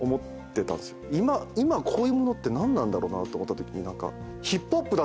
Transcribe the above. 今こういうものって何なんだろうって思ったときに。